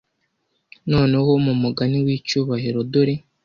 Noneho, mu mugani w'icyubahiro, dore